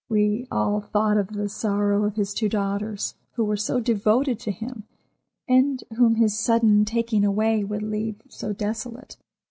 We all thought of the sorrow of his two daughters, who were so devoted to him, and whom his sudden taking away would leave so desolate.